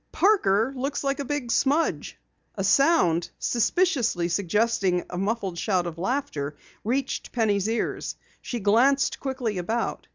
'Parker' looks like a big smudge!" A sound, suspiciously suggesting a muffled shout of laughter, reached Penny's ears. She glanced quickly about.